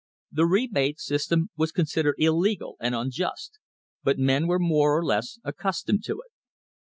The rebate system was considered illegal and unjust, but men were more or less accustomed to it.